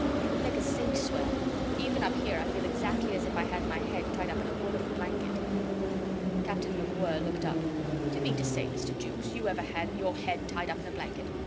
It would make a saint swear. Even up here I feel exactly as if I had my head tied up in a woollen blanket." Captain MacWhirr looked up. "D'ye mean to say, Mr. Jukes, you ever had your head tied up in a blanket?